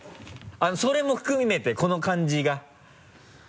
それも含めてこの感じが。